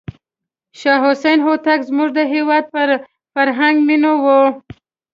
شاه حسین هوتکی زموږ د هېواد په فرهنګ مینو و.